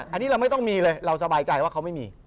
อันนี้เราไม่ต้องมีเลยเราสบายใจว่าเขาไม่มี